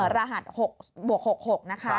รหัสบวก๖๖นะคะ